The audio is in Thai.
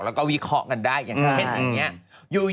และวิเครากันได้อย่างเช่นแบบนี้อย่างนี้ใช่